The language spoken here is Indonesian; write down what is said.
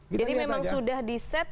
jadi memang sudah di set